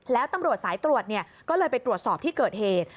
แล้วตำรวจสายตรวจก็เลยไปตรวจสอบที่เกิดเหตุ